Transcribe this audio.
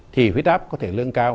thì huyết áp có thể lương cao